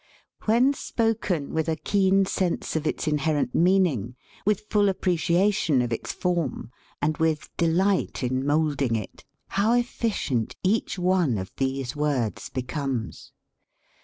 When spoken with a keen sense of its inherent meaning, with full appreciation of its form, and with delight in moulding it, how efficient each one of these words be comes.